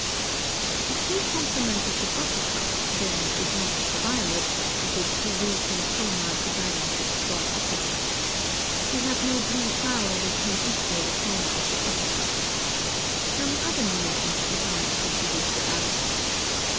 (77) The true complement of the buttercup, then, is not the violet, which is too weak in chroma to balance its strong opposite. We have no blue flower that can equal the chroma of the buttercup. Some other means must be found to produce a balance.